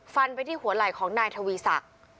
ฟันไปที่หัวไหล่ของนายทวีศักดิ์